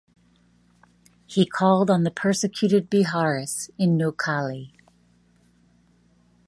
He called on the persecuted Biharis in Noakhali.